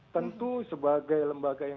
tentu sebagai lembaga yang